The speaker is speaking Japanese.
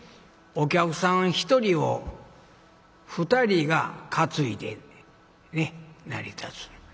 お客さん１人を２人が担いで成り立つ。